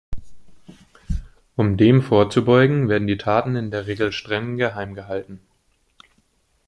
Um dem vorzubeugen, werden die Taten in der Regel streng geheim gehalten.